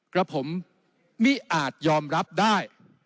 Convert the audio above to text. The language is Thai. กระผมไม่อาจยอมรับได้